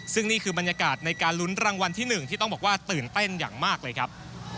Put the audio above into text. ซึ่งนี่คือบรรยากาศในการลุ้นรางวัลที่๑ที่ต้องบอกว่าตื่นเต้นอย่างมากเลยครับ